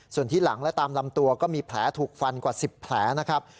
ส่วนที่หลังและตามลำตัวก็มีแผลถูกฟันกว่า๑๐แผลนะครับ